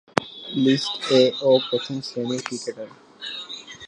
List A ও প্রথম-শ্রেণীর cricketer.